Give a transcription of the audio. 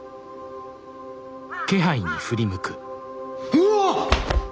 うわあっ！